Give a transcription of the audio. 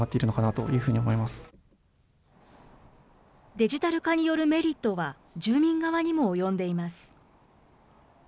デジタル化によるメリットは、住民側にも及んでいます。